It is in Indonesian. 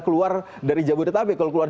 keluar dari jabodetabek kalau keluar